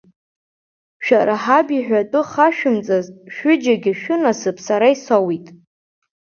Шәара ҳаб иҳәатәы хашәымҵазт, шәҩыџьагьы шәынасыԥ сара исоуит.